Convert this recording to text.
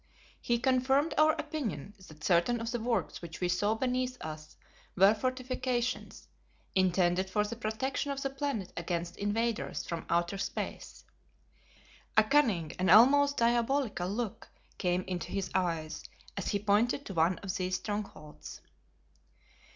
He confirmed our opinion that certain of the works which we saw beneath us were fortifications, intended for the protection of the planet against invaders from outer space. A cunning and almost diabolical look came into his eyes as he pointed to one of these strongholds.